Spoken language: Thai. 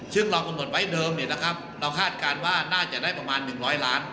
ซึ่งเรากำหนดไว้เดิมเราคาดการณ์ว่าน่าจะได้ประมาณ๑๐๐ล้าน